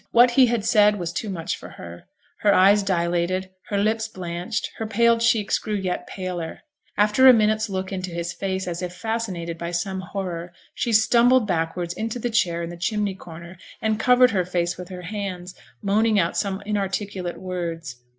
What he had said was too much for her. Her eyes dilated, her lips blanched, her pale cheeks grew yet paler. After a minute's look into his face, as if fascinated by some horror, she stumbled backwards into the chair in the chimney comer, and covered her face with her hands, moaning out some inarticulate words.